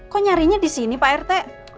kok nyarinya di sini pak rt